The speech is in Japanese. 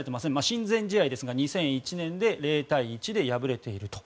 親善試合ですが２００１年で０対１で敗れていると。